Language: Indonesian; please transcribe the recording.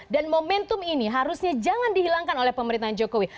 dan momentum ini harusnya jangan dihilangkan oleh pemerintahan jokowi